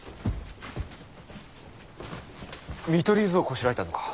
見取り図をこしらえたのか。